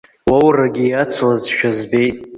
Лоурагьы иацлазшәа збеит.